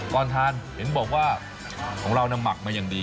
ก่อนทานฮิร์มบอกว่าของเรามักมายังดี